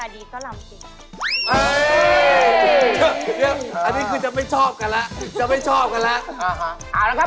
เสียงอีสานครับ